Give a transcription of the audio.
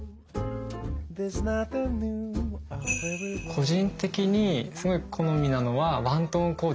個人的にすごい好みなのはワントーンコーデですね。